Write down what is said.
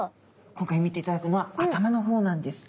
今回見ていただくのは頭の方なんです。